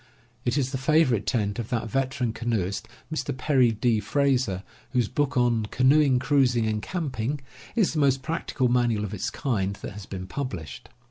It is the favorite tent of that veteran canoeist, Mr. Perry D. Frazer, whose book on Canoe Cruising and Camping is the most practical manual of its kind that has been published.